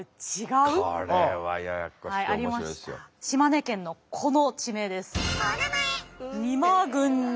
島根県のこの地名です。